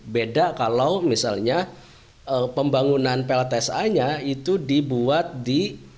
beda kalau misalnya pembangunan pltsa nya itu dibuat di